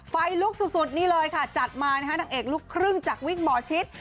ไฟลุกสุดนี่เลยค่ะจัดมานะคะนางเอกลูกครึ่งจากวิกหมอชิด